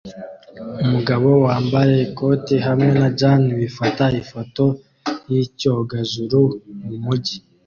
Umugabo wambaye ikoti hamwe na jans bifata ifoto yicyogajuru mumujyi